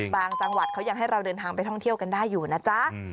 จังหวัดเขายังให้เราเดินทางไปท่องเที่ยวกันได้อยู่นะจ๊ะ